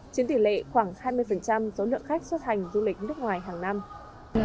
chiếm tỷ lệ khoảng hai mươi số lượng khách xuất hành du lịch nước ngoài hàng năm